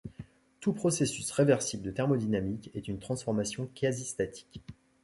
Tout processus réversible de thermodynamique est une transformation quasi statique.